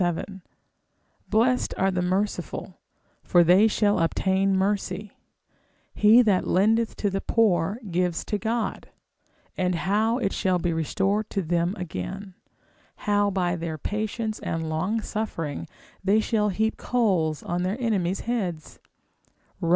7, Blessed are the merciful, for they shall obtain mercy: he that lendeth to the poor, gives to God, and how it shall be restored to them again; how by their patience and long suffering they shall heap coals on their enemies' heads, Rom.